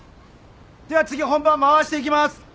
では次本番回していきます。